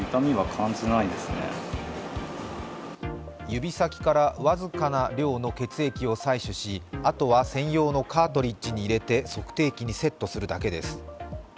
指先から僅かな量の血液を採取し、あとは専用のカートリッジに入れて測定器にセットするだけです。